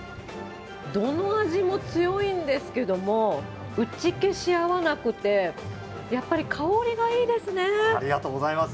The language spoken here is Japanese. どの味も強いんですけども、打ち消し合わなくて、ありがとうございます。